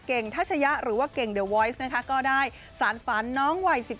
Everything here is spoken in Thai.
เก่งทะชะหรือว่าเก่งเดอะวอยซ์นะคะก็ได้สารฝันน้องไว้